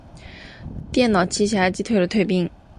电脑奇侠击退了追兵。